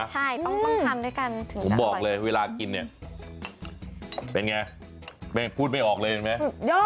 ใช่ต้องทำแบบนี้ไปกันรู้ไม่ว่ากินเนี่ยเป็นไงพูดไม่ออกเลยเห็นไหม